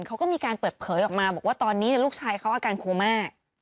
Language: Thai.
เขาก็มีการเปิดเผยออกมาบอกว่าตอนนี้ลูกชายเขาอาการโคม่า